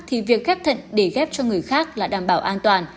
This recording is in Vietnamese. thì việc ghép thận để ghép cho người khác là đảm bảo an toàn